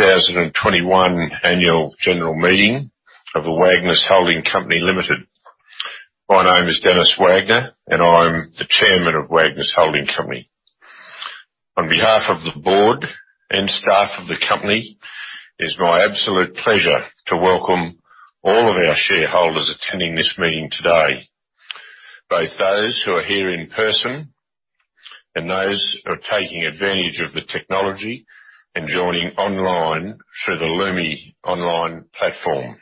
2021 Annual General Meeting of Wagner's Holding Company Limited. My name is Denis Wagner, and I'm the Chairman of Wagner's Holding Company. On behalf of the board and staff of the company, it's my absolute pleasure to welcome all of our shareholders attending this meeting today, both those who are here in person and those who are taking advantage of the technology and joining online through the Lumi online platform.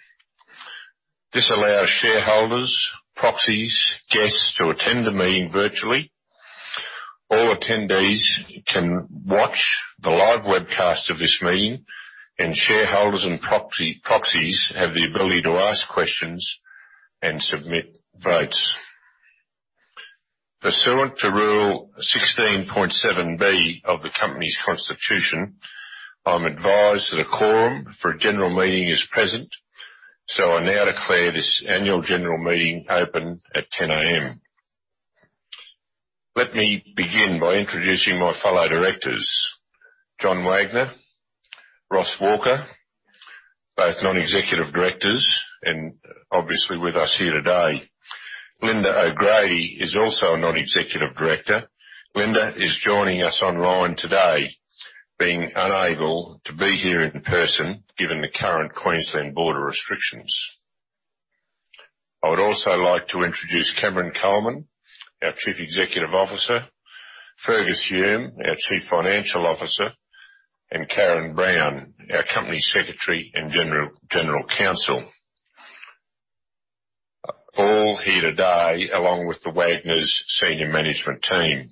This allows shareholders, proxies, guests to attend the meeting virtually. All attendees can watch the live webcast of this meeting, and shareholders and proxy, proxies have the ability to ask questions and submit votes. Pursuant to Rule 16.7(b) of the company's constitution, I'm advised that a quorum for a general meeting is present, so I now declare this annual general meeting open at 10:00 A.M. Let me begin by introducing my fellow directors, John Wagner, Ross Walker, both non-executive directors, and obviously with us here today. Lynda O'Grady is also a non-executive director. Lynda is joining us online today, being unable to be here in person, given the current Queensland border restrictions. I would also like to introduce Cameron Coleman, our Chief Executive Officer, Fergus Hume, our Chief Financial Officer, and Karen Brown, our Company Secretary and General Counsel. All here today, along with the Wagner's senior management team.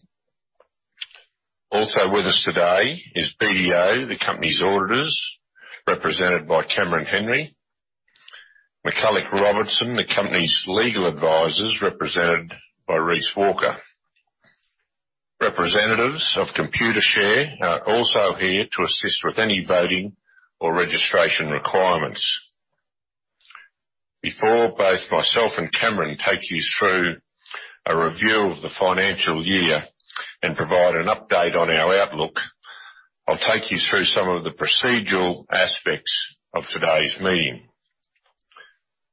Also with us today is BDO, the company's auditors, represented by Cameron Henry. McCullough Robertson, the company's legal advisors, represented by Reece Walker. Representatives of Computershare are also here to assist with any voting or registration requirements. Before both myself and Cameron take you through a review of the financial year and provide an update on our outlook, I'll take you through some of the procedural aspects of today's meeting.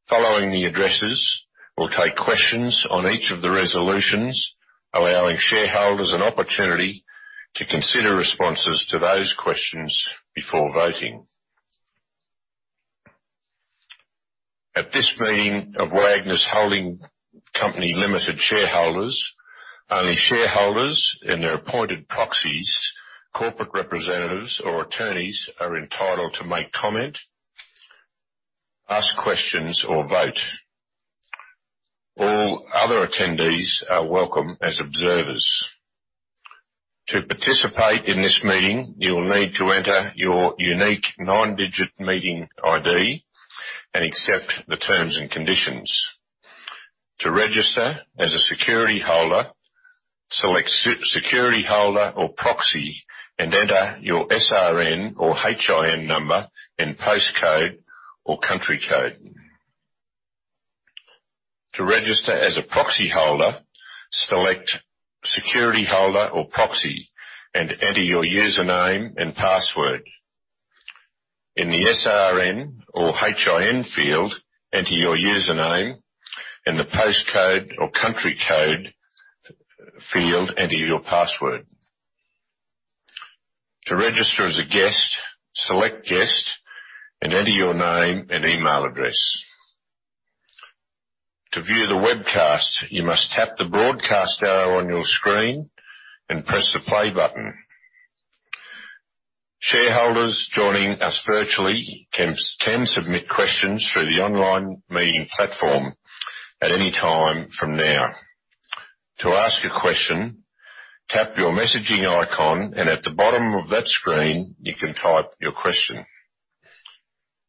Following the addresses, we'll take questions on each of the resolutions, allowing shareholders an opportunity to consider responses to those questions before voting. At this meeting of Wagner's Holding Company Limited shareholders, only shareholders and their appointed proxies, corporate representatives or attorneys are entitled to make comment, ask questions or vote. All other attendees are welcome as observers. To participate in this meeting, you will need to enter your unique nine-digit meeting ID and accept the terms and conditions. To register as a security holder, select security holder or proxy and enter your SRN or HIN number and postcode or country code. To register as a proxy holder, select security holder or proxy and enter your username and password. In the SRN or HIN field, enter your username. In the postcode or country code field, enter your password. To register as a guest, select guest and enter your name and email address. To view the webcast, you must tap the broadcast arrow on your screen and press the play button. Shareholders joining us virtually can submit questions through the online meeting platform at any time from now. To ask a question, tap your messaging icon and at the bottom of that screen, you can type your question.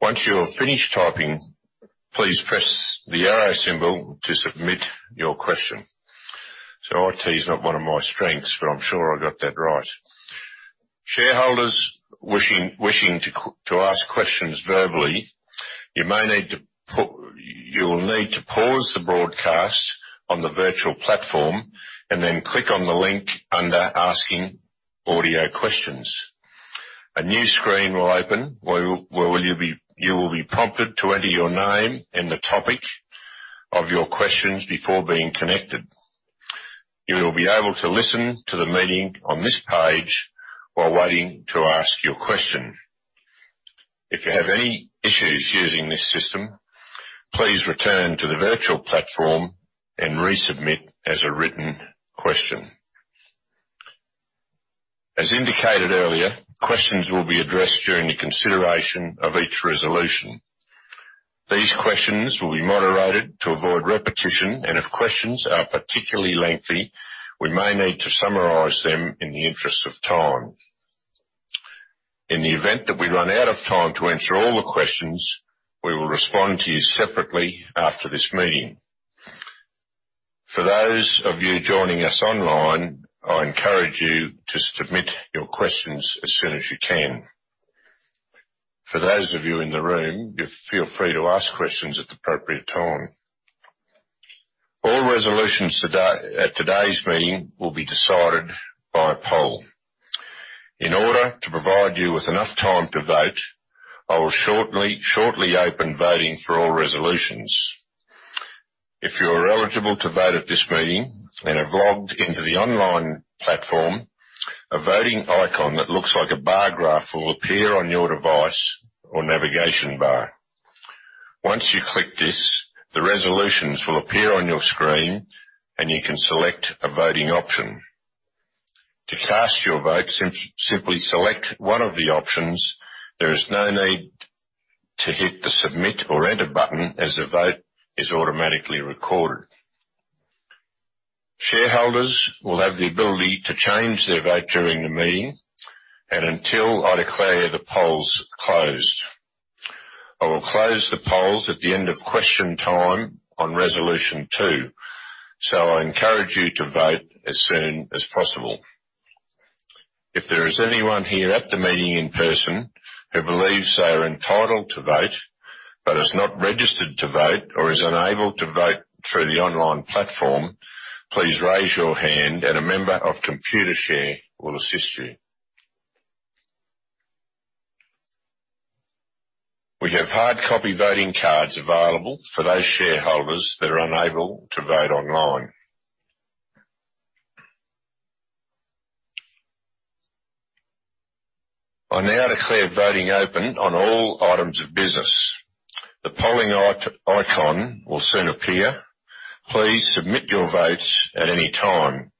Once you're finished typing, please press the arrow symbol to submit your question. It is not one of my strengths, but I'm sure I got that right. Shareholders wishing to ask questions verbally, you may need to pu... You will need to pause the broadcast on the virtual platform and then click on the link under Asking Audio Questions. A new screen will open where you will be prompted to enter your name and the topic of your questions before being connected. You will be able to listen to the meeting on this page while waiting to ask your question. If you have any issues using this system, please return to the virtual platform and resubmit as a written question. As indicated earlier, questions will be addressed during the consideration of each resolution. These questions will be moderated to avoid repetition, and if questions are particularly lengthy, we may need to summarize them in the interest of time. In the event that we run out of time to answer all the questions, we will respond to you separately after this meeting. For those of you joining us online, I encourage you to submit your questions as soon as you can. For those of you in the room, feel free to ask questions at the appropriate time. All resolutions at today's meeting will be decided by a poll. In order to provide you with enough time to vote, I will shortly open voting for all resolutions. If you're eligible to vote at this meeting and have logged into the online platform, a voting icon that looks like a bar graph will appear on your device or navigation bar. Once you click this, the resolutions will appear on your screen, and you can select a voting option. To cast your vote, simply select one of the options. There is no need to hit the Submit or Enter button, as the vote is automatically recorded. Shareholders will have the ability to change their vote during the meeting and until I declare the polls closed. I will close the polls at the end of question time on resolution 2, so I encourage you to vote as soon as possible. If there is anyone here at the meeting in person who believes they are entitled to vote but is not registered to vote or is unable to vote through the online platform, please raise your hand and a member of Computershare will assist you. We have hard copy voting cards available for those shareholders that are unable to vote online. I now declare voting open on all items of business. The polling icon will soon appear. Please submit your votes at any time.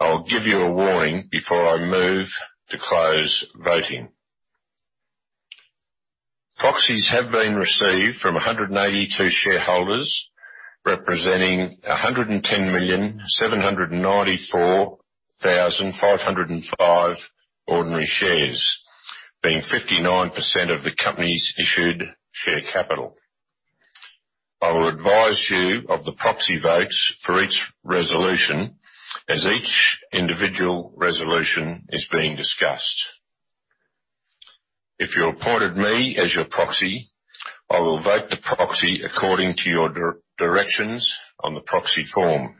I'll give you a warning before I move to close voting. Proxies have been received from 182 shareholders, representing 110,794,505 ordinary shares, being 59% of the company's issued share capital. I will advise you of the proxy votes for each resolution as each individual resolution is being discussed. If you appointed me as your proxy, I will vote the proxy according to your directions on the proxy form.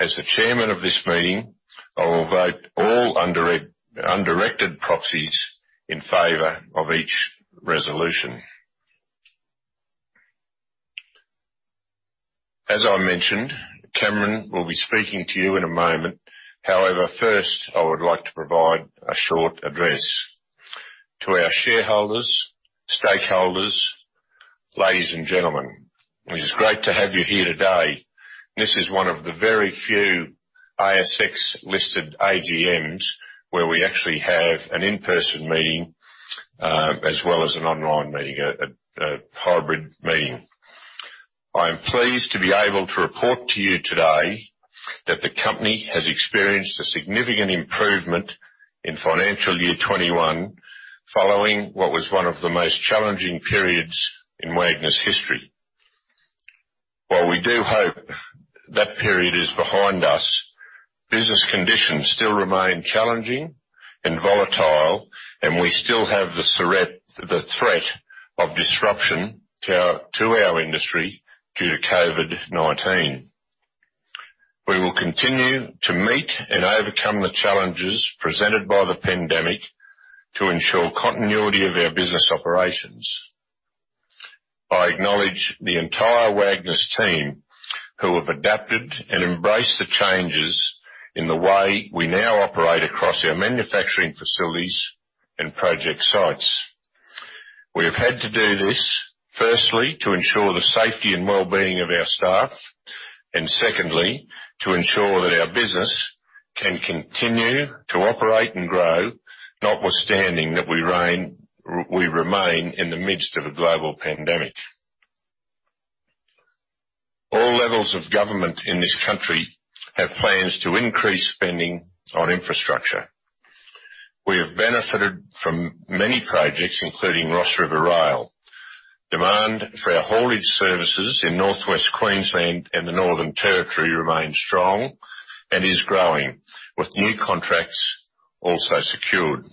As the chairman of this meeting, I will vote all undirected proxies in favor of each resolution. As I mentioned, Cameron will be speaking to you in a moment. However, first, I would like to provide a short address. To our shareholders, stakeholders, ladies and gentlemen, it is great to have you here today. This is one of the very few ASX-listed AGMs where we actually have an in-person meeting, as well as an online meeting, a hybrid meeting. I am pleased to be able to report to you today that the company has experienced a significant improvement in financial year 2021, following what was one of the most challenging periods in Wagner's' history. While we do hope that period is behind us, business conditions still remain challenging and volatile, and we still have the threat of disruption to our industry due to COVID-19. We will continue to meet and overcome the challenges presented by the pandemic to ensure continuity of our business operations. I acknowledge the entire Wagner's team, who have adapted and embraced the changes in the way we now operate across our manufacturing facilities and project sites. We have had to do this, firstly, to ensure the safety and wellbeing of our staff, and secondly, to ensure that our business can continue to operate and grow, notwithstanding that we remain in the midst of a global pandemic. All levels of government in this country have plans to increase spending on infrastructure. We have benefited from many projects, including Cross River Rail. Demand for our haulage services in Northwest Queensland and the Northern Territory remains strong and is growing, with new contracts also secured.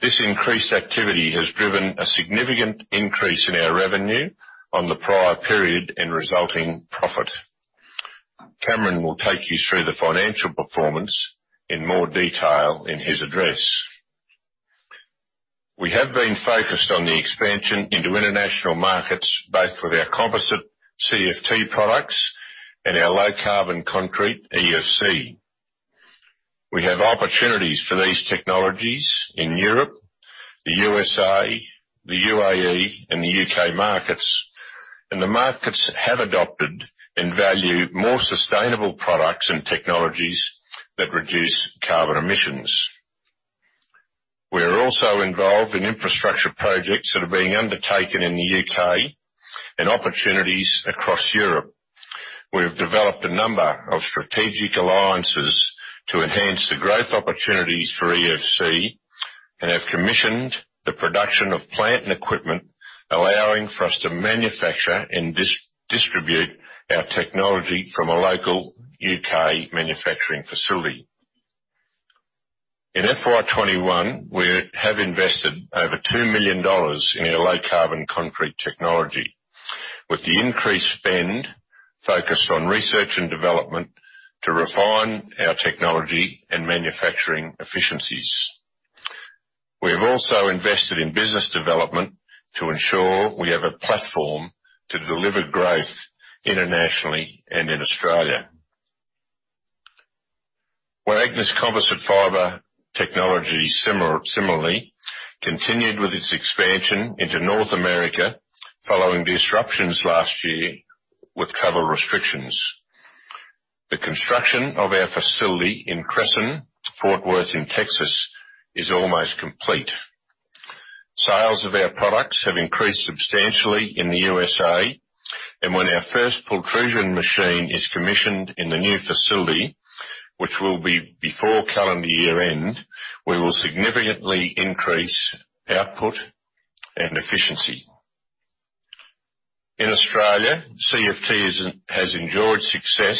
This increased activity has driven a significant increase in our revenue on the prior period and resulting profit. Cameron will take you through the financial performance in more detail in his address. We have been focused on the expansion into international markets, both with our composite CFT products and our low-carbon concrete, EFC. We have opportunities for these technologies in Europe, the USA, the UAE, and the U.K. markets. The markets have adopted and value more sustainable products and technologies that reduce carbon emissions. We are also involved in infrastructure projects that are being undertaken in the U.K. and opportunities across Europe. We have developed a number of strategic alliances to enhance the growth opportunities for EFC and have commissioned the production of plant and equipment, allowing for us to manufacture and dis-distribute our technology from a local U.K. manufacturing facility. In FY 2021, we have invested over $ 2 million dollars in our low carbon concrete technology. With the increased spend focused on research and development to refine our technology and manufacturing efficiencies. We have also invested in business development to ensure we have a platform to deliver growth internationally and in Australia. Composite Fibre Technologies similarly continued with its expansion into North America following disruptions last year with travel restrictions. The construction of our facility in Cresson, Fort Worth in Texas is almost complete. Sales of our products have increased substantially in the USA. When our first pultrusion machine is commissioned in the new facility, which will be before calendar year end, we will significantly increase output and efficiency. In Australia, CFT has enjoyed success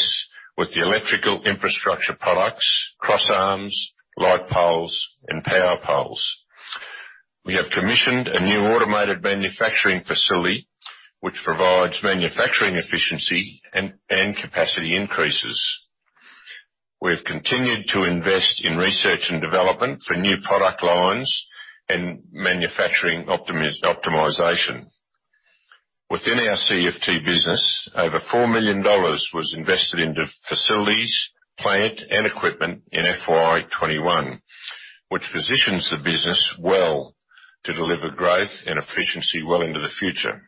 with the electrical infrastructure products, cross arms, light poles, and power poles. We have commissioned a new automated manufacturing facility which provides manufacturing efficiency and capacity increases. We've continued to invest in research and development for new product lines and manufacturing optimization. Within our CFT business, over 4 million dollars was invested into facilities, plant, and equipment in FY 2021, which positions the business well to deliver growth and efficiency well into the future.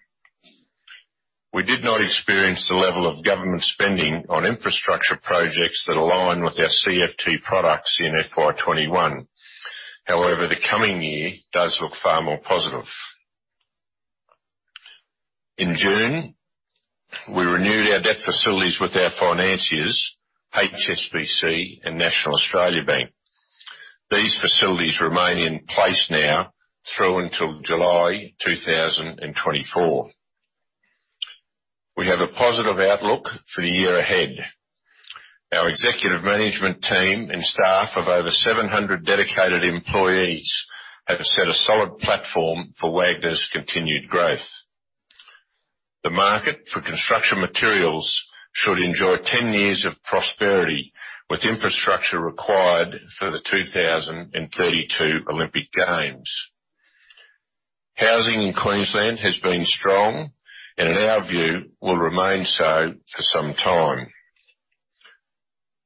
We did not experience the level of government spending on infrastructure projects that align with our CFT products in FY 2021. However, the coming year does look far more positive. In June, we renewed our debt facilities with our financiers, HSBC and National Australia Bank. These facilities remain in place now through until July 2024. We have a positive outlook for the year ahead. Our executive management team and staff of over 700 dedicated employees have set a solid platform for Wagner's continued growth. The market for construction materials should enjoy 10 years of prosperity, with infrastructure required for the 2032 Olympic Games. Housing in Queensland has been strong and in our view, will remain so for some time.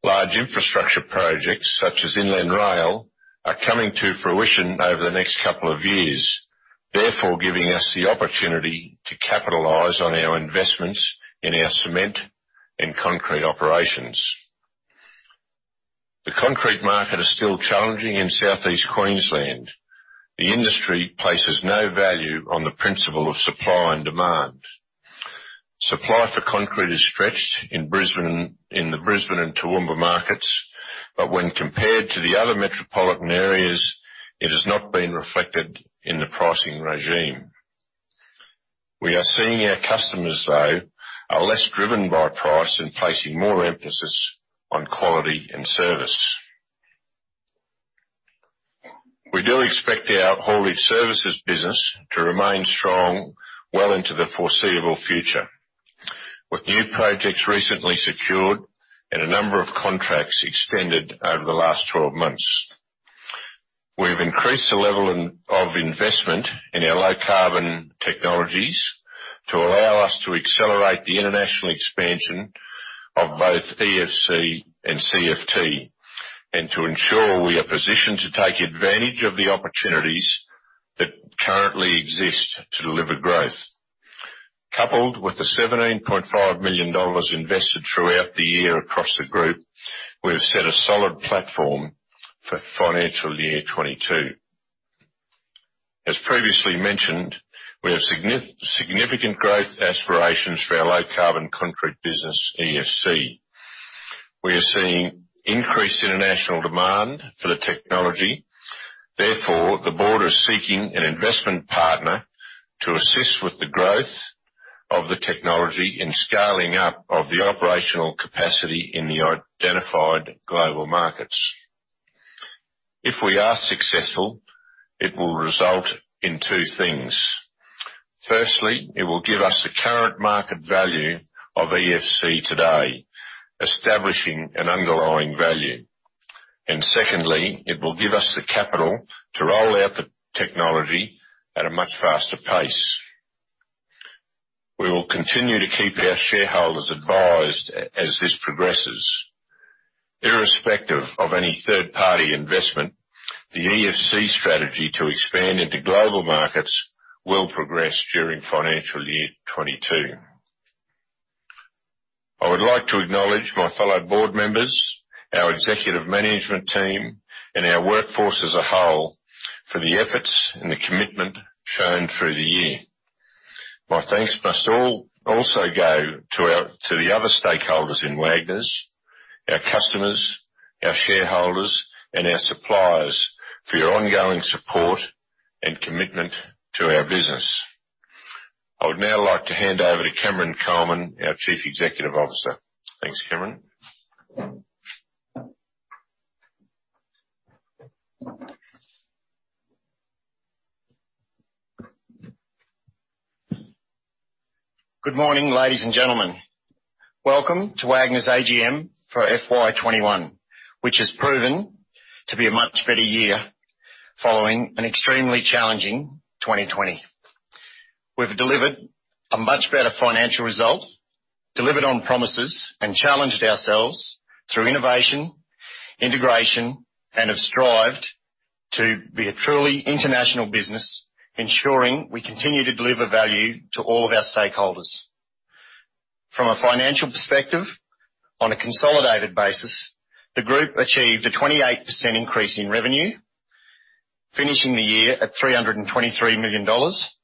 Large infrastructure projects such as Inland Rail are coming to fruition over the next couple of years, therefore giving us the opportunity to capitalize on our investments in our cement and concrete operations. The concrete market is still challenging in Southeast Queensland. The industry places no value on the principle of supply and demand. Supply for concrete is stretched in the Brisbane and Toowoomba markets, but when compared to the other metropolitan areas, it has not been reflected in the pricing regime. We are seeing our customers, though, are less driven by price and placing more emphasis on quality and service. We do expect our haulage services business to remain strong well into the foreseeable future with new projects recently secured and a number of contracts extended over the last 12 months. We've increased the level of investment in our low carbon technologies to allow us to accelerate the international expansion of both EFC and CFT and to ensure we are positioned to take advantage of the opportunities that currently exist to deliver growth. Coupled with the 17.5 million dollars invested throughout the year across the group, we have set a solid platform for FY 2022. As previously mentioned, we have significant growth aspirations for our low carbon concrete business, EFC. We are seeing increased international demand for the technology. Therefore, the board is seeking an investment partner to assist with the growth of the technology in scaling up of the operational capacity in the identified global markets. If we are successful, it will result in two things. Firstly, it will give us the current market value of EFC today, establishing an underlying value. Secondly, it will give us the capital to roll out the technology at a much faster pace. We will continue to keep our shareholders advised as this progresses. Irrespective of any third-party investment, the EFC strategy to expand into global markets will progress during financial year 2022. I would like to acknowledge my fellow board members, our executive management team, and our workforce as a whole for the efforts and the commitment shown through the year. My thanks must also go to the other stakeholders in Wagner's, our customers, our shareholders, and our suppliers for your ongoing support and commitment to our business. I would now like to hand over to Cameron Coleman, our Chief Executive Officer. Thanks, Cameron. Good morning, ladies and gentlemen. Welcome to Wagner's AGM for FY 2021, which has proven to be a much better year following an extremely challenging 2020. We've delivered a much better financial result, delivered on promises, and challenged ourselves through innovation, integration, and have strived to be a truly international business, ensuring we continue to deliver value to all of our stakeholders. From a financial perspective, on a consolidated basis, the group achieved a 28% increase in revenue, finishing the year at 323 million dollars.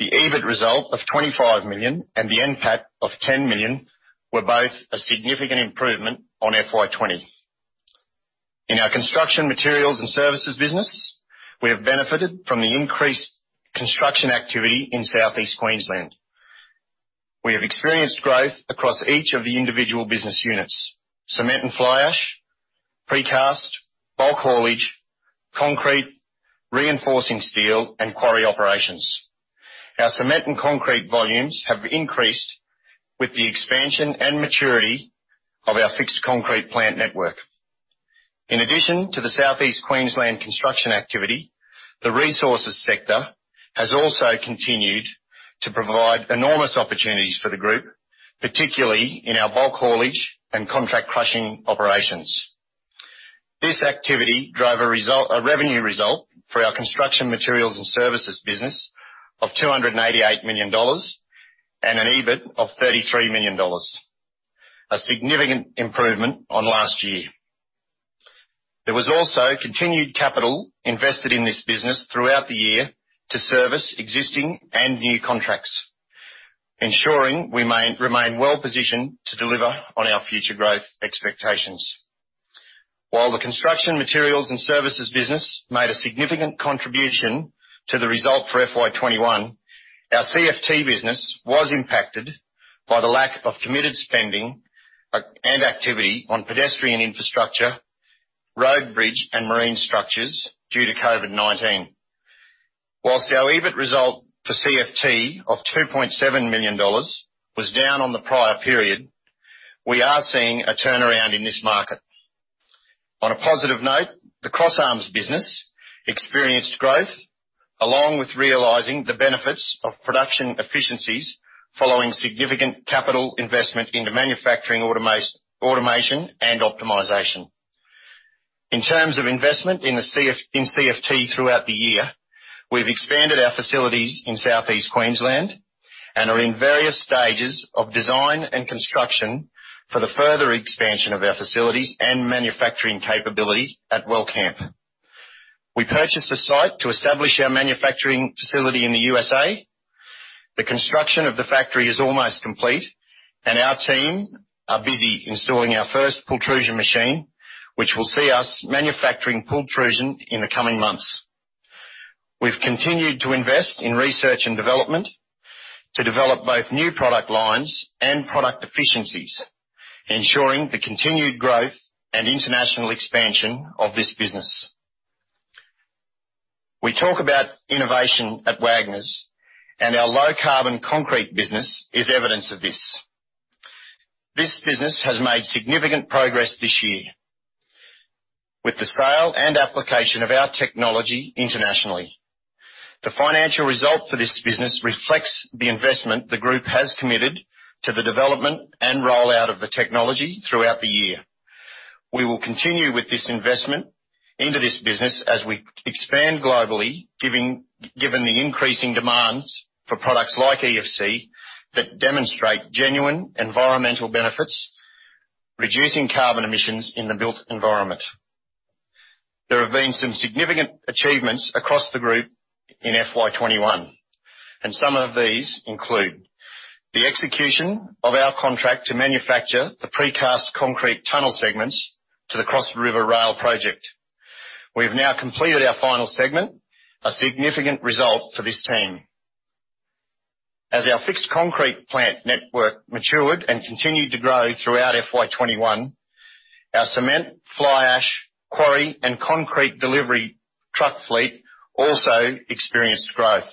The EBIT result of 25 million and the NPAT of 10 million were both a significant improvement on FY 2020. In our construction materials and services business, we have benefited from the increased construction activity in Southeast Queensland. We have experienced growth across each of the individual business units, cement and fly ash, precast, bulk haulage, concrete, reinforcing steel, and quarry operations. Our cement and concrete volumes have increased with the expansion and maturity of our fixed concrete plant network. In addition to the Southeast Queensland construction activity, the resources sector has also continued to provide enormous opportunities for the group, particularly in our bulk haulage and contract crushing operations. This activity drove a revenue result for our Construction Materials and Services business of 288 million dollars, and an EBIT of 33 million dollars, a significant improvement on last year. There was also continued capital invested in this business throughout the year to service existing and new contracts, ensuring we remain well-positioned to deliver on our future growth expectations. While the construction materials and services business made a significant contribution to the result for FY 2021, our CFT business was impacted by the lack of committed spending and activity on pedestrian infrastructure, road, bridge, and marine structures due to COVID-19. While our EBIT result for CFT of 2.7 million dollars was down on the prior period, we are seeing a turnaround in this market. On a positive note, the crossarms business experienced growth along with realizing the benefits of production efficiencies following significant capital investment into manufacturing automation and optimization. In terms of investment in CFT throughout the year, we've expanded our facilities in Southeast Queensland, and are in various stages of design and construction for the further expansion of our facilities and manufacturing capability at Wellcamp. We purchased a site to establish our manufacturing facility in the USA. The construction of the factory is almost complete, and our team are busy installing our first pultrusion machine, which will see us manufacturing pultrusion in the coming months. We've continued to invest in research and development to develop both new product lines and product efficiencies, ensuring the continued growth and international expansion of this business. We talk about innovation at Wagner's, and our low-carbon concrete business is evidence of this. This business has made significant progress this year with the sale and application of our technology internationally. The financial result for this business reflects the investment the group has committed to the development and rollout of the technology throughout the year. We will continue with this investment into this business as we expand globally, given the increasing demands for products like EFC that demonstrate genuine environmental benefits, reducing carbon emissions in the built environment. There have been some significant achievements across the group in FY 2021, and some of these include the execution of our contract to manufacture the precast concrete tunnel segments to the Cross River Rail project. We've now completed our final segment, a significant result for this team. As our fixed concrete plant network matured and continued to grow throughout FY 2021, our cement, fly ash, quarry, and concrete delivery truck fleet also experienced growth.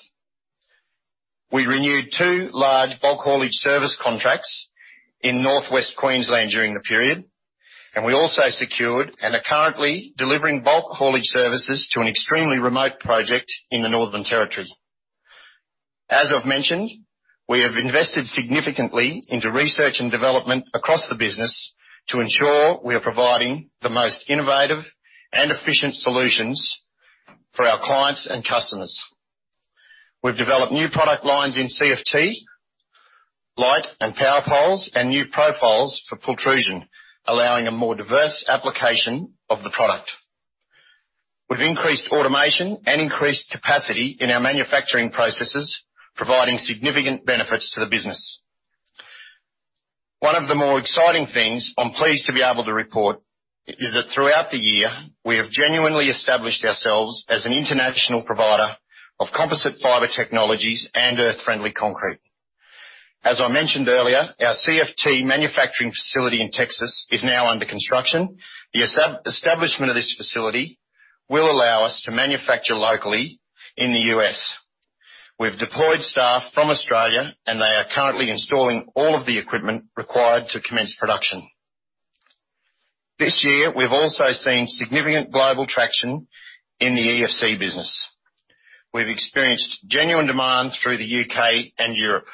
We renewed two large bulk haulage service contracts in Northwest Queensland during the period, and we also secured and are currently delivering bulk haulage services to an extremely remote project in the Northern Territory. As I've mentioned, we have invested significantly into research and development across the business to ensure we are providing the most innovative and efficient solutions for our clients and customers. We've developed new product lines in CFT, light and power poles, and new profiles for pultrusion, allowing a more diverse application of the product. We've increased automation and increased capacity in our manufacturing processes, providing significant benefits to the business. One of the more exciting things I'm pleased to be able to report is that throughout the year, we have genuinely established ourselves as an international provider of Composite Fibre Technologies and Earth Friendly Concrete. As I mentioned earlier, our CFT manufacturing facility in Texas is now under construction. The establishment of this facility will allow us to manufacture locally in the U.S. We've deployed staff from Australia, and they are currently installing all of the equipment required to commence production. This year, we've also seen significant global traction in the EFC business. We've experienced genuine demand through the U.K. and Europe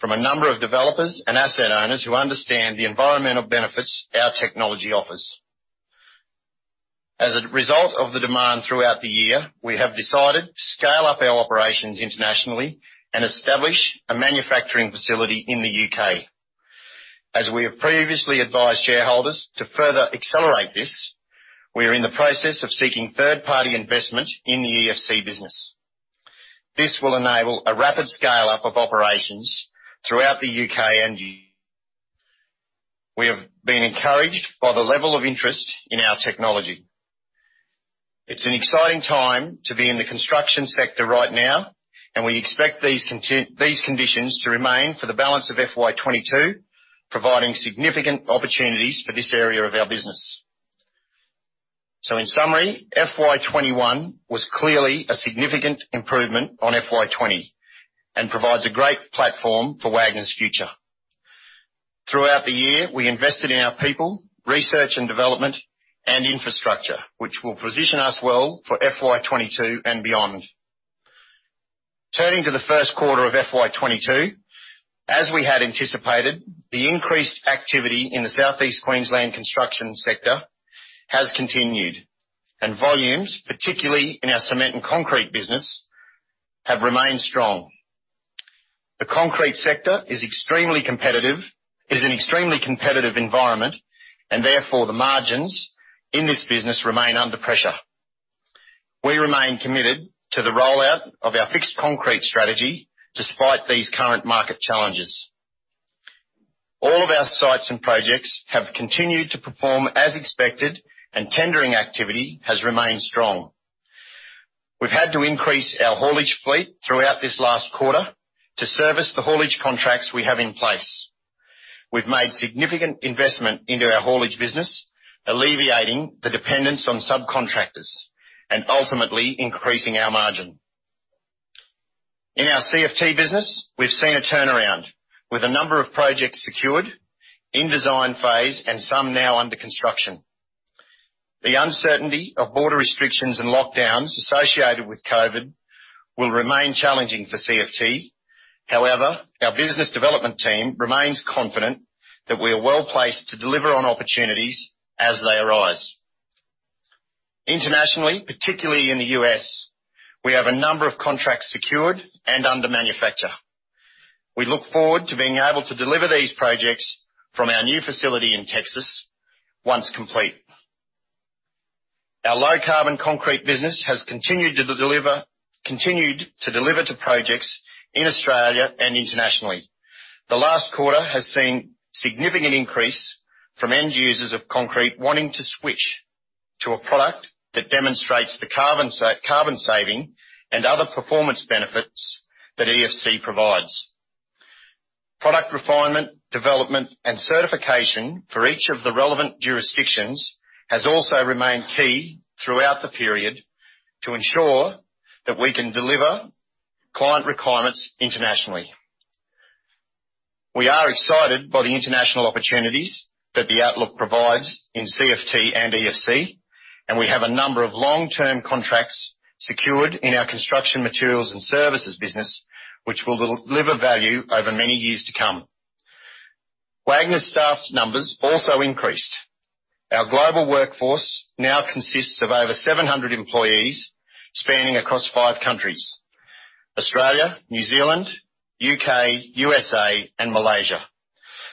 from a number of developers and asset owners who understand the environmental benefits our technology offers. As a result of the demand throughout the year, we have decided to scale up our operations internationally and establish a manufacturing facility in the U.K. As we have previously advised shareholders to further accelerate this, we are in the process of seeking third-party investment in the EFC business. This will enable a rapid scale-up of operations throughout the U.K. and U.S. We have been encouraged by the level of interest in our technology. It's an exciting time to be in the construction sector right now, and we expect these conditions to remain for the balance of FY 2022, providing significant opportunities for this area of our business. In summary, FY 2021 was clearly a significant improvement on FY 2020 and provides a great platform for Wagner's' future. Throughout the year, we invested in our people, research and development, and infrastructure, which will position us well for FY 2022 and beyond. Turning to the first quarter of FY 2022, as we had anticipated, the increased activity in the Southeast Queensland construction sector has continued, and volumes, particularly in our cement and concrete business, have remained strong. The concrete sector is an extremely competitive environment, and therefore, the margins in this business remain under pressure. We remain committed to the rollout of our fixed concrete strategy despite these current market challenges. All of our sites and projects have continued to perform as expected, and tendering activity has remained strong. We've had to increase our haulage fleet throughout this last quarter to service the haulage contracts we have in place. We've made significant investment into our haulage business, alleviating the dependence on subcontractors and ultimately increasing our margin. In our CFT business, we've seen a turnaround, with a number of projects secured in design phase and some now under construction. The uncertainty of border restrictions and lockdowns associated with COVID will remain challenging for CFT. However, our business development team remains confident that we are well-placed to deliver on opportunities as they arise. Internationally, particularly in the U.S., we have a number of contracts secured and under manufacture. We look forward to being able to deliver these projects from our new facility in Texas once complete. Our low-carbon concrete business has continued to deliver to projects in Australia and internationally. The last quarter has seen significant increase from end users of concrete wanting to switch to a product that demonstrates the carbon saving and other performance benefits that EFC provides. Product refinement, development, and certification for each of the relevant jurisdictions has also remained key throughout the period to ensure that we can deliver client requirements internationally. We are excited by the international opportunities that the outlook provides in CFT and EFC, and we have a number of long-term contracts secured in our construction materials and services business, which will deliver value over many years to come. Wagner's' staff numbers also increased. Our global workforce now consists of over 700 employees spanning across 5 countries: Australia, New Zealand, U.K., U.S.A., and Malaysia.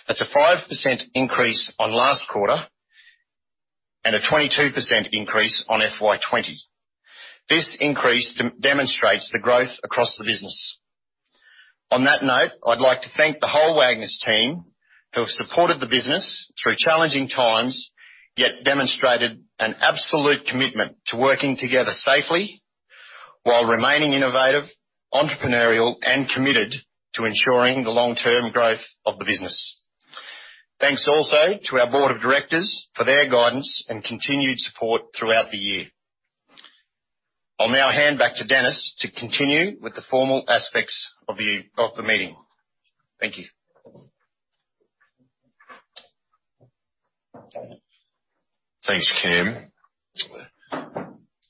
That's a 5% increase on last quarter and a 22% increase on FY 2020. This increase demonstrates the growth across the business. On that note, I'd like to thank the whole Wagner's team who have supported the business through challenging times, yet demonstrated an absolute commitment to working together safely while remaining innovative, entrepreneurial, and committed to ensuring the long-term growth of the business. Thanks also to our board of directors for their guidance and continued support throughout the year. I'll now hand back to Denis to continue with the formal aspects of the meeting. Thank you. Thanks, Cam.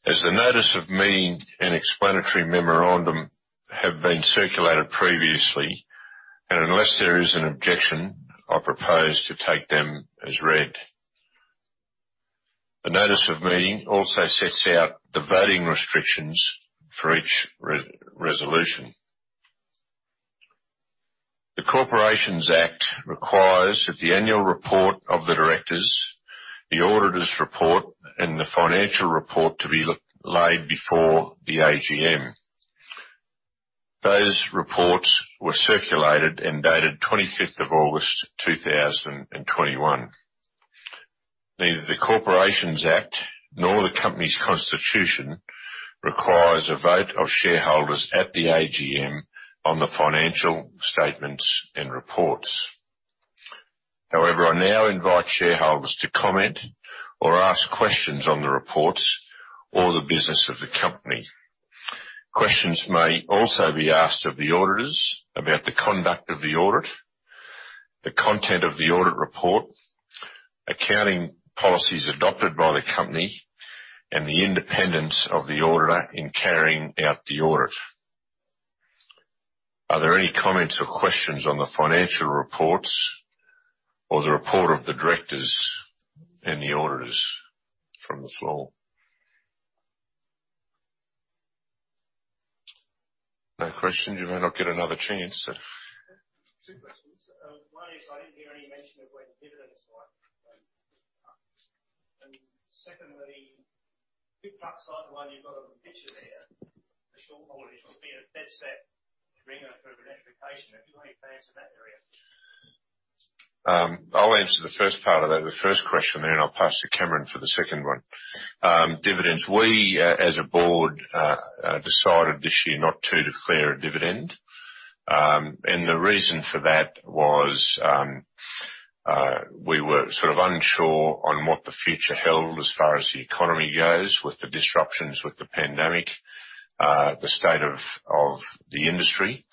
As the notice of meeting and explanatory memorandum have been circulated previously, and unless there is an objection, I propose to take them as read. The notice of meeting also sets out the voting restrictions for each resolution. The Corporations Act requires that the annual report of the directors, the auditors' report, and the financial report to be laid before the AGM. Those reports were circulated and dated 25th of August 2021. Neither the Corporations Act nor the company's constitution requires a vote of shareholders at the AGM on the financial statements and reports. However, I now invite shareholders to comment or ask questions on the reports or the business of the company. Questions may also be asked of the auditors about the conduct of the audit, the content of the audit report, accounting policies adopted by the company, and the independence of the auditor in carrying out the audit. Are there any comments or questions on the financial reports or the report of the directors and the auditors from the floor? No questions? You may not get another chance, so. Two questions. One is I didn't hear any mention of when dividends are. Secondly, Mack trucks like the one you've got up in the picture there, the short haulage would be a dead set ringer for electrification. Have you got any plans in that area? I'll answer the first part of that, the first question there, and I'll pass to Cameron for the second one. Dividends. We as a board decided this year not to declare a dividend. The reason for that was we were sort of unsure on what the future held as far as the economy goes, with the disruptions, with the pandemic, the state of the industry.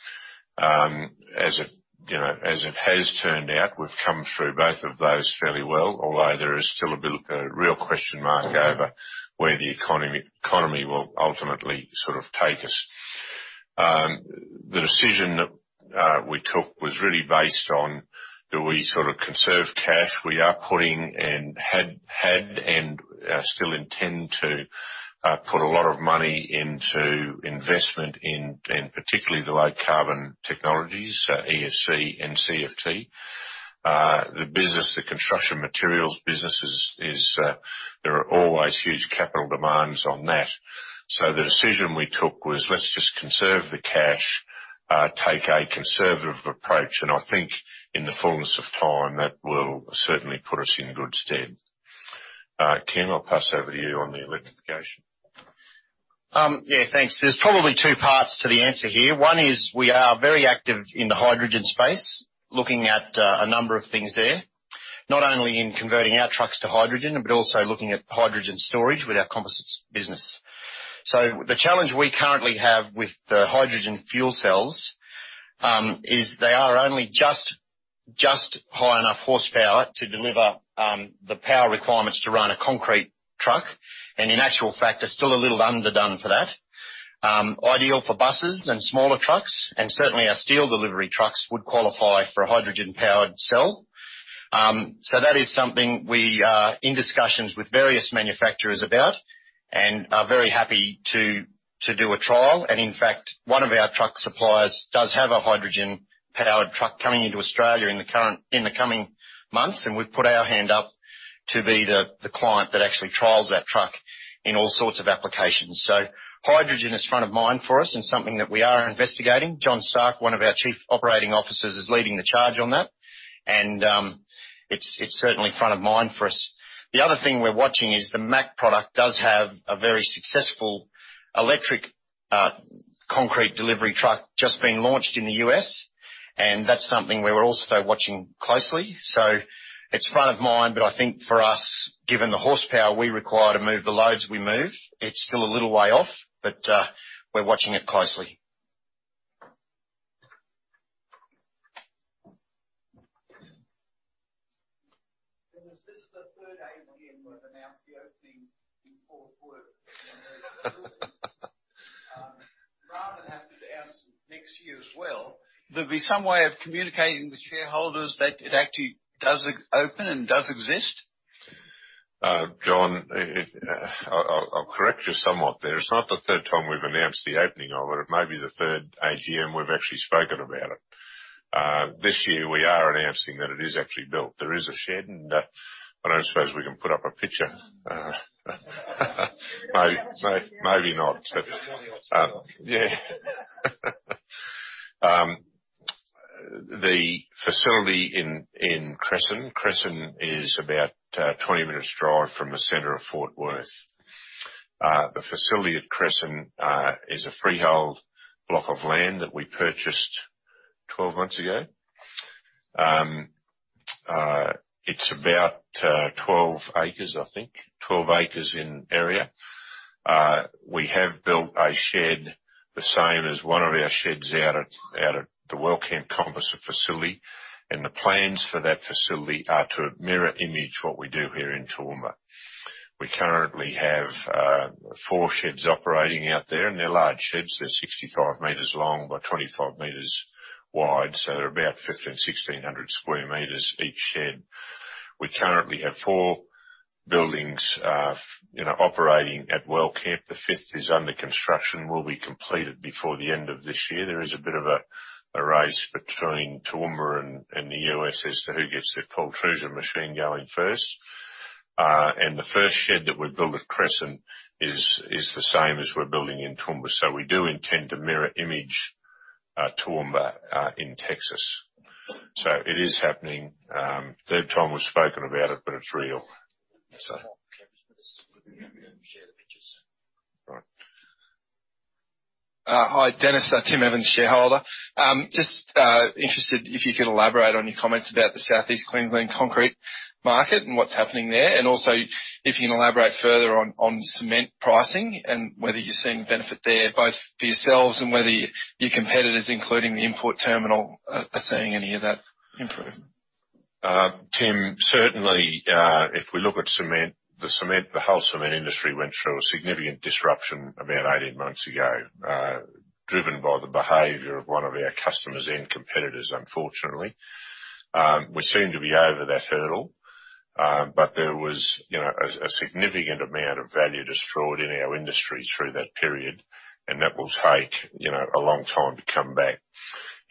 As it, you know, as it has turned out, we've come through both of those fairly well, although there is still a real question mark over where the economy will ultimately sort of take us. The decision that we took was really based on do we sort of conserve cash? We are pulling ahead head had, We still intend to put a lot of money into investment in particularly the low carbon technologies, EFC and CFT. The construction materials business, there are always huge capital demands on that. The decision we took was, let's just conserve the cash, take a conservative approach. I think in the fullness of time, that will certainly put us in good stead. Cam, I'll pass over to you on the electrification. Yeah, thanks. There's probably two parts to the answer here. One is we are very active in the hydrogen space, looking at a number of things there, not only in converting our trucks to hydrogen, but also looking at hydrogen storage with our composites business. The challenge we currently have with the hydrogen fuel cells is they are only just high enough horsepower to deliver the power requirements to run a concrete truck. In actual fact, they're still a little underdone for that. They're ideal for buses and smaller trucks, and certainly our steel delivery trucks would qualify for a hydrogen-powered cell. That is something we are in discussions with various manufacturers about and are very happy to do a trial. In fact, one of our truck suppliers does have a hydrogen-powered truck coming into Australia in the coming months. We've put our hand up to be the client that actually trials that truck in all sorts of applications. Hydrogen is front of mind for us and something that we are investigating. John Stark, one of our Chief Operating Officers, is leading the charge on that. It's certainly front of mind for us. The other thing we're watching is the Mack product does have a very successful electric concrete delivery truck just being launched in the U.S., and that's something we're also watching closely. It's front of mind, but I think for us, given the horsepower we require to move the loads we move, it's still a little way off, but we're watching it closely. Is this the third AGM we've announced the opening in Fort Worth? [Raw transcript] Rather than have to announce it next year as well, there'll be some way of communicating with shareholders that it actually does open and does exist. John, I'll correct you somewhat there. It's not the third time we've announced the opening of it. It may be the third AGM we've actually spoken about it. This year we are announcing that it is actually built. There is a shed and but I don't suppose we can put up a picture. Maybe not. Yeah. The facility in Cresson. Cresson is about 20 minutes drive from the center of Fort Worth. The facility at Cresson is a freehold block of land that we purchased 12 months ago. It's about 12 acres, I think. 12 acres in area. We have built a shed the same as one of our sheds out at the Wellcamp composite facility, and the plans for that facility are to mirror image what we do here in Toowoomba. We currently have four sheds operating out there, and they're large sheds. They're 65 meters long by 25 meters wide, so they're about 1,500-1,600 sq m each shed. We currently have four buildings, you know, operating at Wellcamp. The fifth is under construction and will be completed before the end of this year. There is a bit of a race between Toowoomba and the U.S. as to who gets their pultrusion machine going first. The first shed that we built at Cresson is the same as we're building in Toowoomba. We do intend to mirror image Toowoomba in Texas. It is happening, third time we've spoken about it, but it's real. Share the pictures. Right. Hi, Denis. Tim Evans, shareholder. Just interested if you could elaborate on your comments about the Southeast Queensland concrete market and what's happening there. Also if you can elaborate further on cement pricing and whether you're seeing benefit there, both for yourselves and whether your competitors, including the import terminal, are seeing any of that improvement. Tim, certainly, if we look at cement, the whole cement industry went through a significant disruption about 18 months ago, driven by the behavior of one of our customers and competitors, unfortunately. We seem to be over that hurdle, but there was, you know, a significant amount of value destroyed in our industry through that period, and that will take, you know, a long time to come back.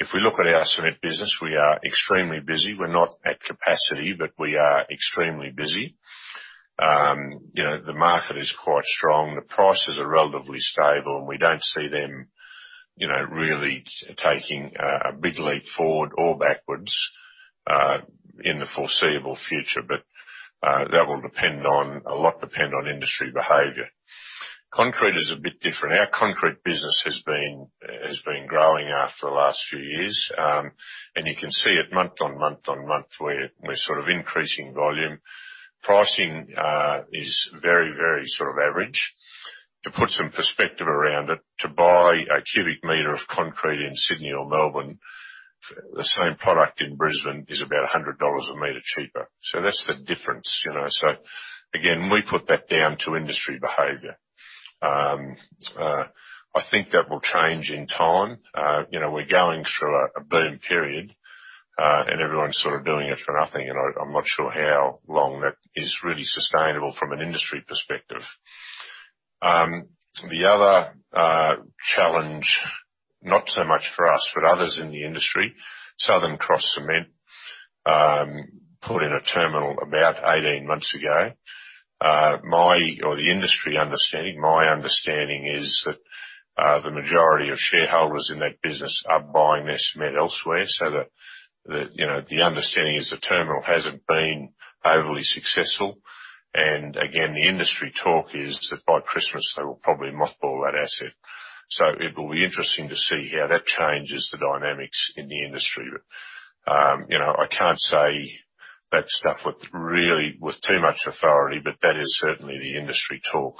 If we look at our cement business, we are extremely busy. We're not at capacity, but we are extremely busy. You know, the market is quite strong. The prices are relatively stable, and we don't see them, you know, really taking a big leap forward or backwards in the foreseeable future. That will depend a lot on industry behavior. Concrete is a bit different. Our concrete business has been growing after the last few years. You can see it month on month, we're sort of increasing volume. Pricing is very sort of average. To put some perspective around it, to buy a cubic meter of concrete in Sydney or Melbourne, the same product in Brisbane is about 100 dollars a meter cheaper. That's the difference, you know. Again, we put that down to industry behavior. I think that will change in time. You know, we're going through a boom period, and everyone's sort of doing it for nothing, and I'm not sure how long that is really sustainable from an industry perspective. The other challenge, not so much for us, but others in the industry, Southern Cross Cement put in a terminal about 18 months ago. My understanding is that the majority of shareholders in that business are buying their cement elsewhere so that you know, the understanding is the terminal hasn't been overly successful. Again, the industry talk is that by Christmas, they will probably mothball that asset. It will be interesting to see how that changes the dynamics in the industry. You know, I can't say that stuff with really too much authority, but that is certainly the industry talk.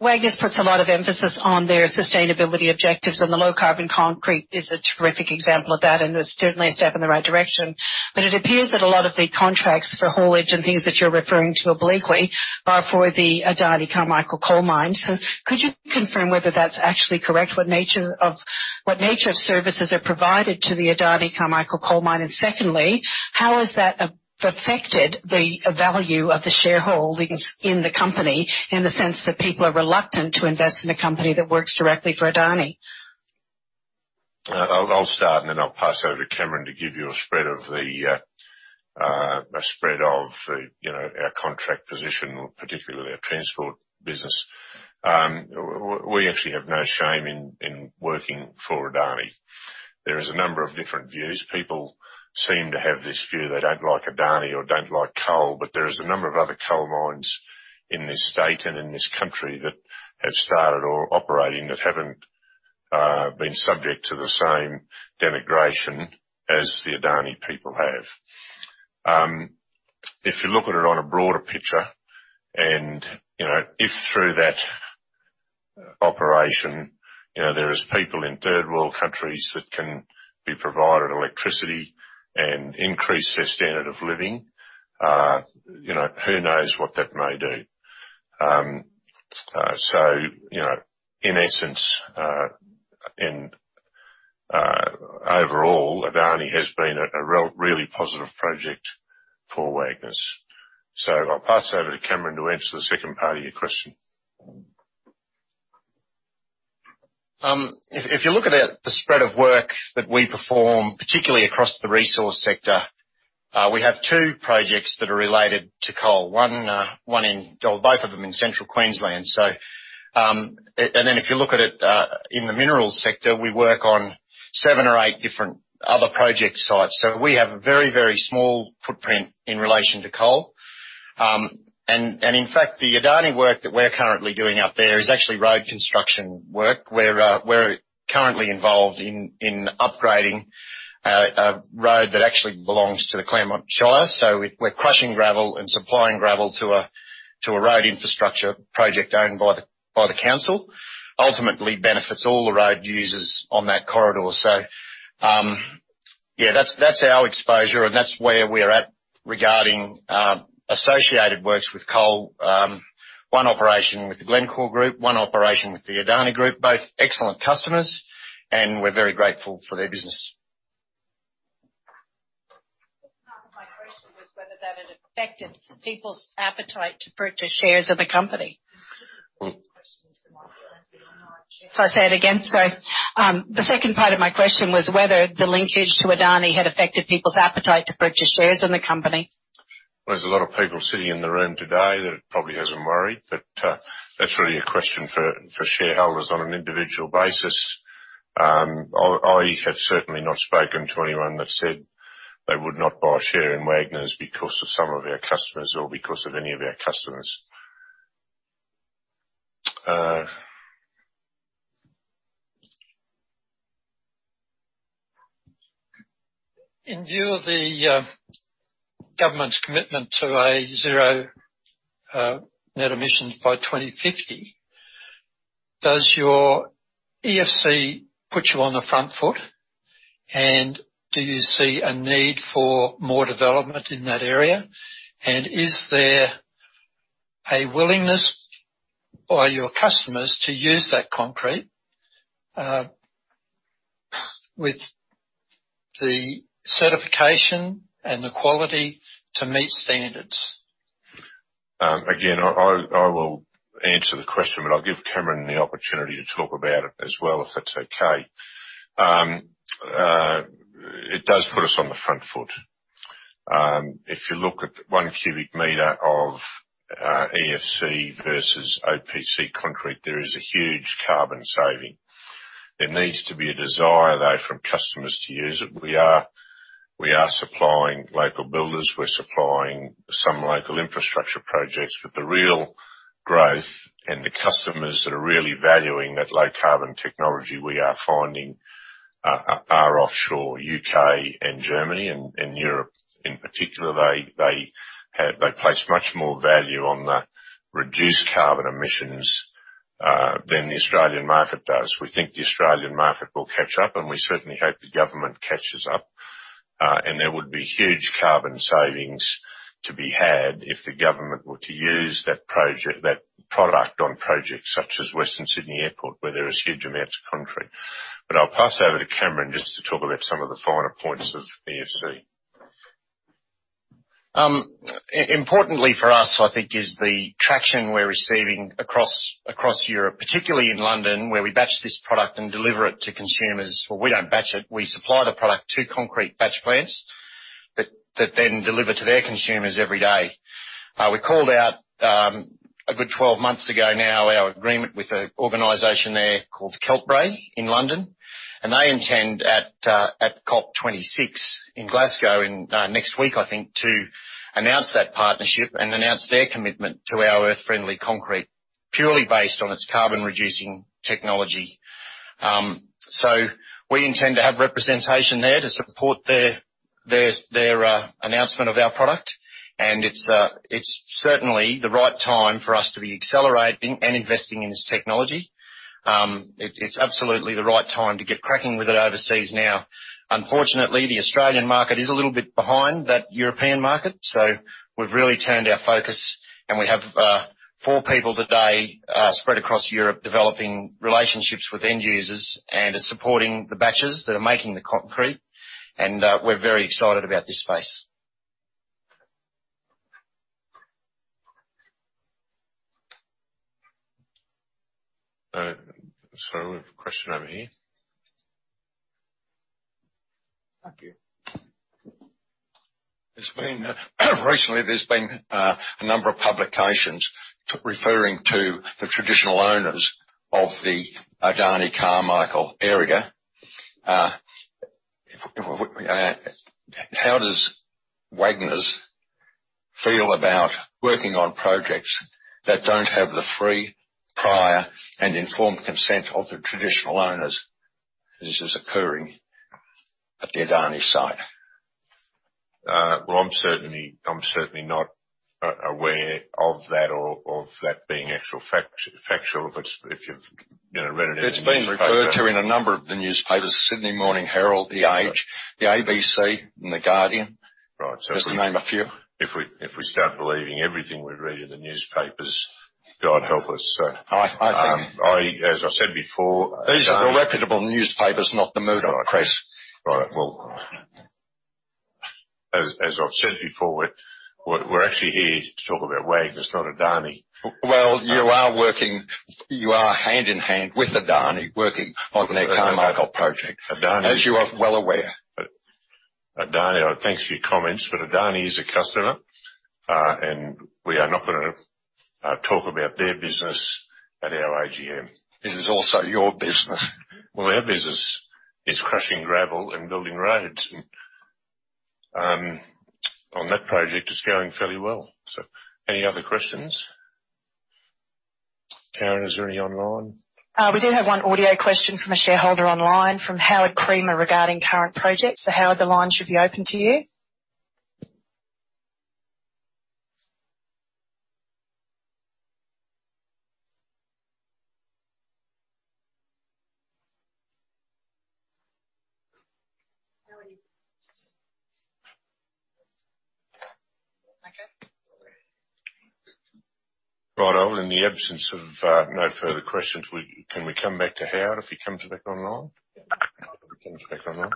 Wagner's puts a lot of emphasis on their sustainability objectives, and the low-carbon concrete is a terrific example of that and is certainly a step in the right direction. It appears that a lot of the contracts for haulage and things that you're referring to obliquely are for the Adani Carmichael coal mine. Could you confirm whether that's actually correct, what nature of services are provided to the Adani Carmichael coal mine? Secondly, how has that affected the value of the shareholdings in the company in the sense that people are reluctant to invest in a company that works directly for Adani? I'll start, and then I'll pass over to Cameron to give you a spread of the, you know, our contract position, particularly our transport business. We actually have no shame in working for Adani. There is a number of different views. People seem to have this view they don't like Adani or don't like coal, but there is a number of other coal mines in this state and in this country that have started or operating that haven't been subject to the same denigration as the Adani people have. If you look at it on a broader picture and, you know, if through that operation, you know, there is people in third world countries that can be provided electricity and increase their standard of living, you know, who knows what that may do. You know, in essence, overall, Adani has been a really positive project for Wagner's. I'll pass over to Cameron to answer the second part of your question. If you look at the spread of work that we perform, particularly across the resource sector, we have two projects that are related to coal, one or both of them in Central Queensland. Then if you look at it in the minerals sector, we work on seven or eight different other project sites. We have a very small footprint in relation to coal. In fact, the Adani work that we're currently doing out there is actually road construction work. We're currently involved in upgrading a road that actually belongs to the Clermont Shire. We're crushing gravel and supplying gravel to a road infrastructure project owned by the council. It ultimately benefits all the road users on that corridor. That's our exposure, and that's where we're at regarding associated works with coal. One operation with the Glencore group, one operation with the Adani Group, both excellent customers, and we're very grateful for their business. ...Was whether that had affected people's appetite to purchase shares of the company? Shall I say it again? Sorry. The second part of my question was whether the linkage to Adani had affected people's appetite to purchase shares in the company. Well, there's a lot of people sitting in the room today that it probably hasn't worried, but that's really a question for shareholders on an individual basis. I have certainly not spoken to anyone that said they would not buy a share in Wagner's because of some of our customers or because of any of our customers. In view of the government's commitment to a zero net emissions by 2050, does your EFC put you on the front foot? Do you see a need for more development in that area? Is there a willingness by your customers to use that concrete with the certification and the quality to meet standards? Again, I will answer the question, but I'll give Cameron the opportunity to talk about it as well, if that's okay. It does put us on the front foot. If you look at one cubic meter of EFC versus OPC concrete, there is a huge carbon saving. There needs to be a desire, though, from customers to use it. We are supplying local builders. We're supplying some local infrastructure projects. The real growth and the customers that are really valuing that low carbon technology we are finding are offshore, U.K. and Germany and Europe in particular. They place much more value on the reduced carbon emissions than the Australian market does. We think the Australian market will catch up, and we certainly hope the government catches up. There would be huge carbon savings to be had if the government were to use that product on projects such as Western Sydney Airport, where there is huge amounts of concrete. I'll pass over to Cameron just to talk about some of the finer points of EFC. Importantly for us, I think, is the traction we're receiving across Europe, particularly in London, where we batch this product and deliver it to consumers. Well, we don't batch it. We supply the product to concrete batch plants that then deliver to their consumers every day. We called out a good 12 months ago now our agreement with an organization there called Keltbray in London, and they intend at COP26 in Glasgow next week, I think, to announce that partnership and announce their commitment to our Earth Friendly Concrete purely based on its carbon-reducing technology. So we intend to have representation there to support their announcement of our product. It's certainly the right time for us to be accelerating and investing in this technology. It's absolutely the right time to get cracking with it overseas now. Unfortunately, the Australian market is a little bit behind that European market, so we've really turned our focus, and we have four people today spread across Europe, developing relationships with end users and are supporting the batchers that are making the concrete. We're very excited about this space. We have a question over here. Thank you, there's been a number of publications referring to the traditional owners of the Adani Carmichael area. How does Wagner's feel about working on projects that don't have the free, prior, and informed consent of the traditional owners as is occurring at the Adani site? I'm certainly not aware of that or of that being actually factual. If you've, you know, read it in the newspaper- It's been referred to in a number of the newspapers, The Sydney Morning Herald, The Age, the ABC, and The Guardian. Right. Just to name a few. If we start believing everything we read in the newspapers, God help us, so. I think As I said before. These are the reputable newspapers, not the Murdoch press. Right. Well, as I've said before, we're actually here to talk about Wagner's, not Adani. Well, you are hand in hand with Adani, working on their Carmichael project. Adani- As you are well aware. Thanks for your comments, but Adani is a customer, and we are not going to talk about their business at our AGM. It is also your business. Well, our business is crushing gravel and building roads. On that project, it's going fairly well. Any other questions? Karen, is there any online? We do have one audio question from a shareholder online, from Howard Creamer regarding current projects. Howard, the line should be open to you. How are you? Okay. Right. Well, in the absence of no further questions, can we come back to Howard if he comes back online? If he comes back online.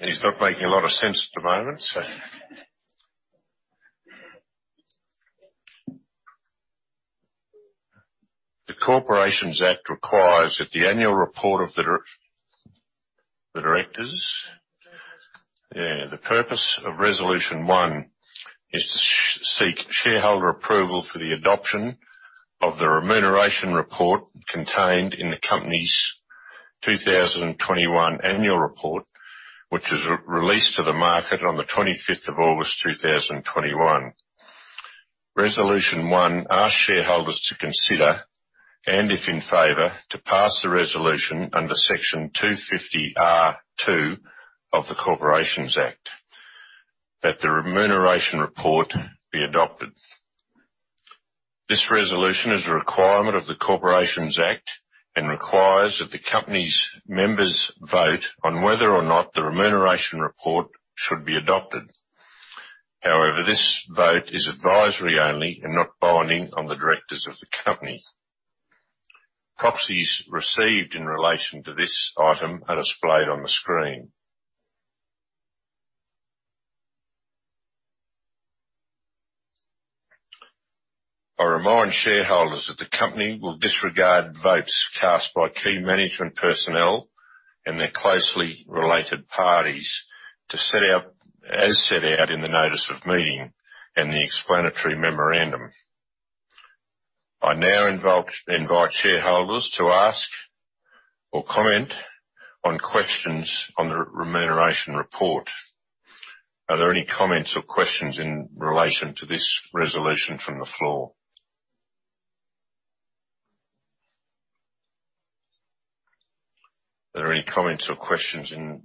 He's not making a lot of sense at the moment, so. Yeah, the purpose of resolution one is to seek shareholder approval for the adoption of the remuneration report contained in the company's 2021 annual report, which was released to the market on the 25th of August 2021. Resolution one asks shareholders to consider, and if in favor, to pass the resolution under Section 250R(2) of the Corporations Act, that the remuneration report be adopted. This resolution is a requirement of the Corporations Act and requires that the company's members vote on whether or not the remuneration report should be adopted. However, this vote is advisory only and not binding on the directors of the company. Proxies received in relation to this item are displayed on the screen. I remind shareholders that the company will disregard votes cast by key management personnel and their closely related parties as set out in the notice of meeting and the explanatory memorandum. I now invite shareholders to ask or comment on questions on the remuneration report. Are there any comments or questions in relation to this resolution from the floor? Are there any comments or questions in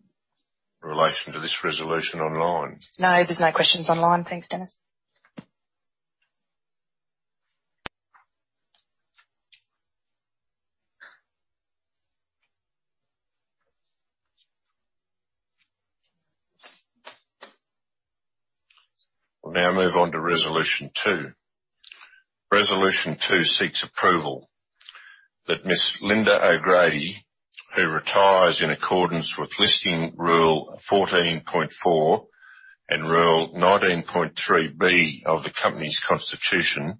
relation to this resolution online? No, there's no questions online. Thanks, Denis. We'll now move on to resolution two. Resolution two seeks approval that Ms. Lynda O'Grady, who retires in accordance with Listing Rule 14.4 and Rule 19.3(b) of the company's constitution,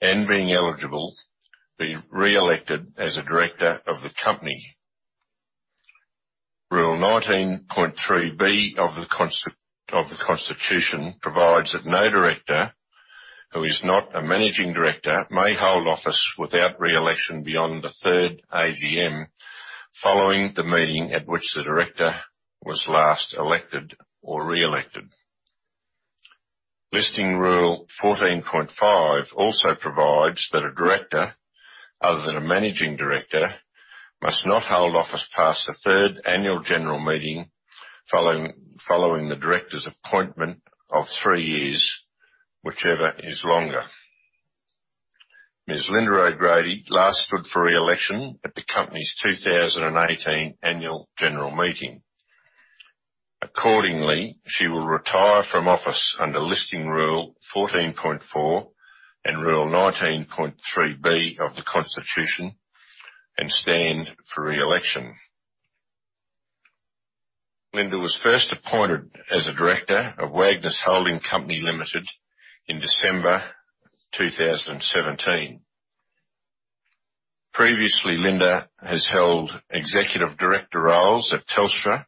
and being eligible, be re-elected as a director of the company. Rule 19.3(b) of the constitution provides that no director who is not a managing director may hold office without re-election beyond the third AGM following the meeting at which the director was last elected or re-elected. Listing Rule 14.5 also provides that a director, other than a managing director, must not hold office past the third annual general meeting following the director's appointment or three years, whichever is longer. Ms. Lynda O'Grady last stood for re-election at the company's 2018 annual general meeting. Accordingly, she will retire from office under Listing Rule 14.4 and Rule 19.3(b) of the Constitution and stand for re-election. Lynda was first appointed as a director of Wagner's Holding Company Limited in December 2017. Previously, Lynda has held executive director roles at Telstra,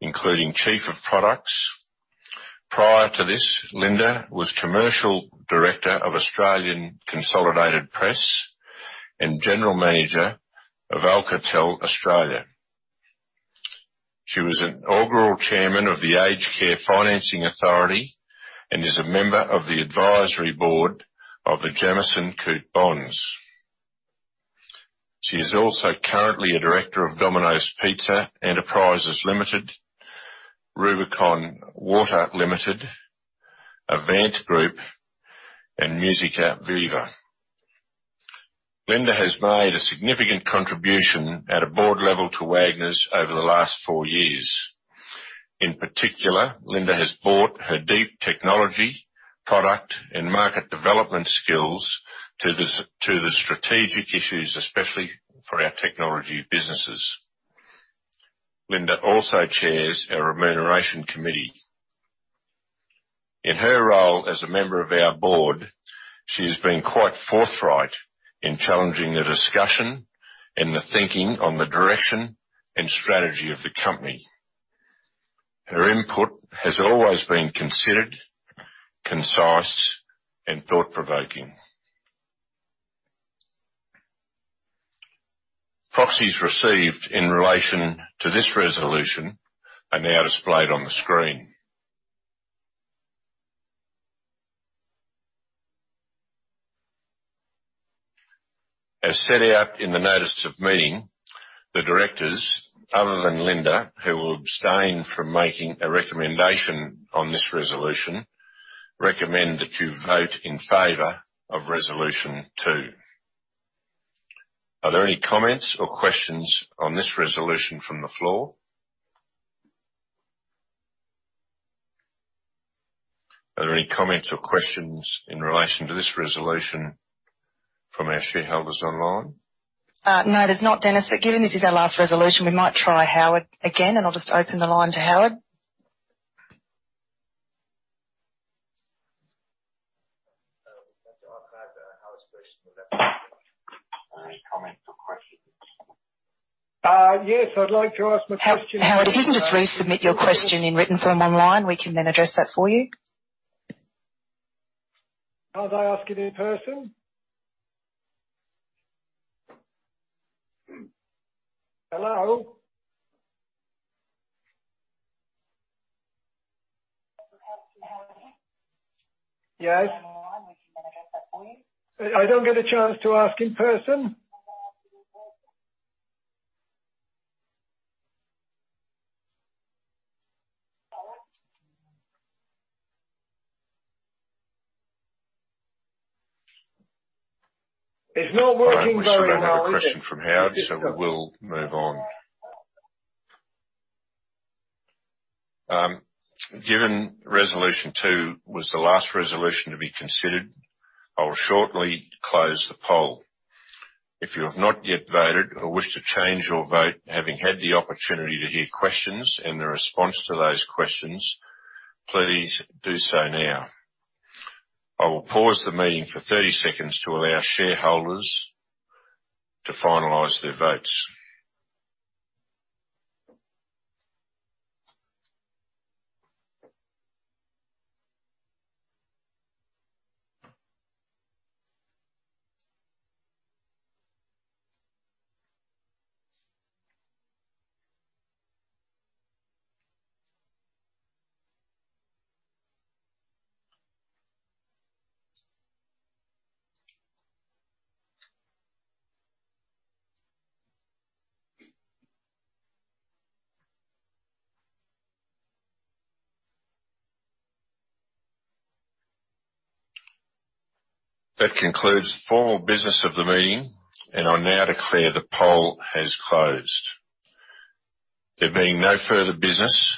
including Chief of Products. Prior to this, Lynda was Commercial Director of Australian Consolidated Press and General Manager of Alcatel Australia. She was an inaugural Chairman of the Aged Care Financing Authority and is a member of the Advisory Board of the Jamieson Coote Bonds. She is also currently a director of Domino's Pizza Enterprises Limited, Rubicon Water Limited, Avant Group, and Musica Viva. Lynda has made a significant contribution at a board level to Wagner's over the last four years. In particular, Lynda has brought her deep technology, product, and market development skills to the strategic issues, especially for our technology businesses. Lynda also chairs our Remuneration Committee. In her role as a member of our board, she has been quite forthright in challenging the discussion and the thinking on the direction and strategy of the company. Her input has always been considered, concise, and thought-provoking. Proxies received in relation to this resolution are now displayed on the screen. As set out in the notice of meeting, the directors, other than Lynda, who will abstain from making a recommendation on this resolution, recommend that you vote in favor of resolution two. Are there any comments or questions on this resolution from the floor? Are there any comments or questions in relation to this resolution from our shareholders online? No, there's not, Denis. Given this is our last resolution, we might try Howard again, and I'll just open the line to Howard. Howard's question or any comments or questions. Yes, I'd like to ask my question. [Crosstalk Howard, if you can just resubmit your question in written form online, we can then address that for you. Can't I ask it in person? Hello? Howard. Yes. Online, we can then address that for you. I don't get a chance to ask in person? ask it in person. Hello? It's not working very well, is it? All right. We still don't have a question from Howard, so we will move on. Given resolution two was the last resolution to be considered, I will shortly close the poll. If you have not yet voted or wish to change your vote, having had the opportunity to hear questions and the response to those questions, please do so now. I will pause the meeting for 30 seconds to allow shareholders to finalize their votes. That concludes the formal business of the meeting, and I now declare the poll has closed. There being no further business,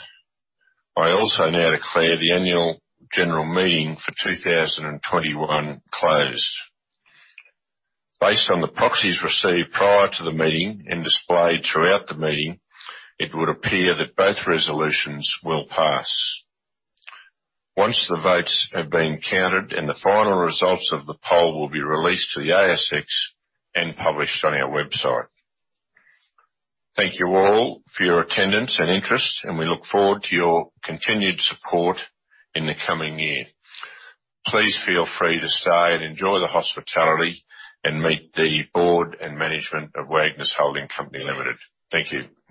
I also now declare the annual general meeting for 2021 closed. Based on the proxies received prior to the meeting and displayed throughout the meeting, it would appear that both resolutions will pass. Once the votes have been counted and the final results of the poll will be released to the ASX and published on our website. Thank you all for your attendance and interest, and we look forward to your continued support in the coming year. Please feel free to stay and enjoy the hospitality and meet the board and management of Wagner's Holding Company Limited. Thank you.